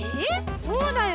そうだよ！